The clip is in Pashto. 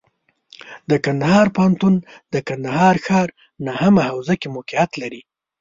د کندهار پوهنتون د کندهار ښار نهمه حوزه کې موقعیت لري.